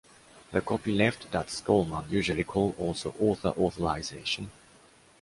the “”copyleft””, that Stallman usually calls also “”author authorization””.